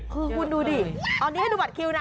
คือคุณดูดิตอนนี้ให้ดูบัตรคิวนะ